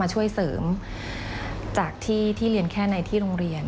ช่วยเสริมจากที่เรียนแค่ในที่โรงเรียน